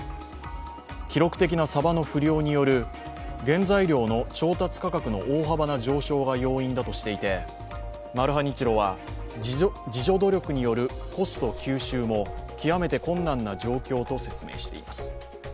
記録的なさばの不漁による原材料の調達価格の大幅な上昇が要因だとしていてマルハニチロは自助努力によるコスト吸収も極めて困難な状況と説明しています。